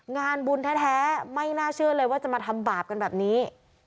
งานบุญแท้ไม่น่าเชื่อเลยว่าจะมาทำบาปกันแบบนี้